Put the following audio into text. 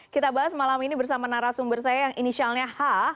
kita bahas malam ini bersama narasumber saya yang inisialnya h